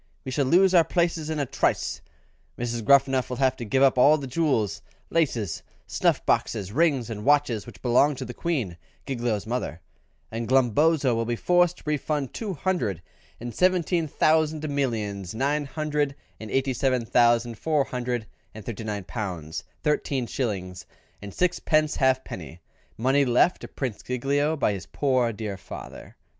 We shall lose our places in a trice; Gruffanuff will have to give up all the jewels, laces, snuff boxes, rings, and watches which belong to the Queen, Giglio's mother; and Glumboso will be forced to refund two hundred and seventeen thousand millions, nine hundred and eighty seven thousand, four hundred and thirty nine pounds thirteen shillings and sixpence halfpenny, money left to Prince Giglio by his poor dear father."